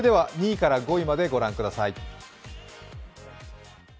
それでは２位から５位までご覧ください。